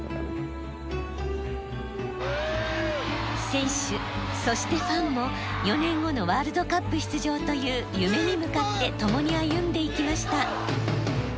選手そしてファンも４年後のワールドカップ出場という夢に向かってともに歩んでいきました。